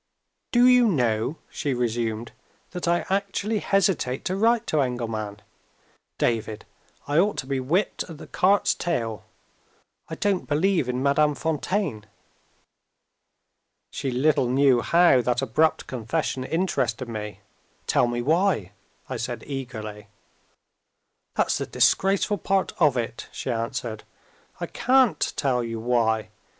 "Do you know," she resumed, "that I actually hesitate to write to Engelman? David! I ought to be whipped at the cart's tail. I don't believe in Madame Fontaine." She little knew how that abrupt confession interested me. "Tell me why!" I said eagerly. "That's the disgraceful part of it," she answered. "I can't tell you why.